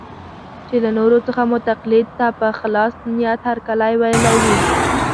چې له نورو څخه مو تقلید ته په خلاص نیت هرکلی ویلی وي.